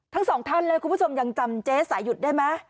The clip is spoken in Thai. ทั้งสองท่านเลยคุณผู้ชมยังจำเจ๊สายุดได้ไหม